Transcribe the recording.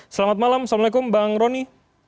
selamat malam assalamu'alaikum bang rony